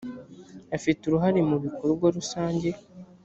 afite uruhare mubikorwa rusange.